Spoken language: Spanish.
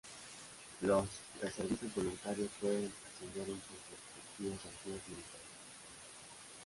Los reservistas voluntarios pueden ascender en sus respectivos empleos militares.